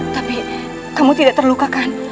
tapi kamu tidak terluka kan